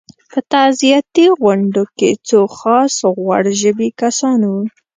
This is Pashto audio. په تعزیتي غونډو کې څو خاص غوړ ژبي کسان وو.